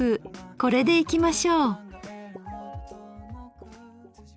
これでいきましょう。